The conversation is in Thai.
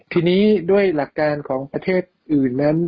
ทีนี้ด้วยหลักการของประเทศอื่นนั้น